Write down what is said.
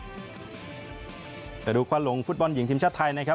แต่ดูควันหลงฟุตบอลหญิงทีมชาติไทยนะครับ